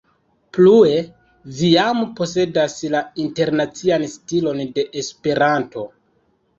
Plue vi jam posedas la internacian stilon de esperanto.